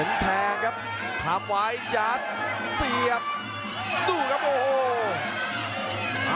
แทงครับทำไว้ยัดเสียบดูครับโอ้โห